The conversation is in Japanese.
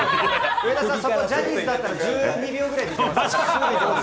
上田さん、そこ、ジャニーズだったら、１２秒ぐらいでいけます。